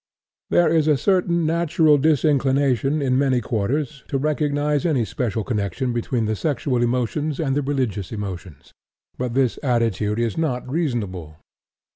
There is a certain natural disinclination in many quarters to recognize any special connection between the sexual emotions and the religious emotions. But this attitude is not reasonable.